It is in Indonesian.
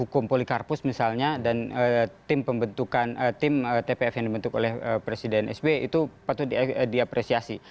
menghukum polikarpus misalnya dan tim ppf yang dibentuk oleh presiden sby itu patut diapresiasi